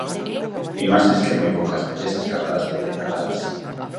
Imaxes que moi poucas veces as cámaras poden gravalas.